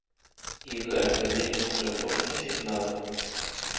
І гэта вельмі трывожны сігнал.